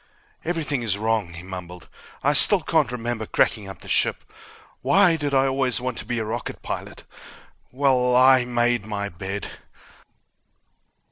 "Everything is wrong," he mumbled. "I still can't remember cracking up the ship. Why did I always want to be a rocket pilot? Well ... I made my bed!"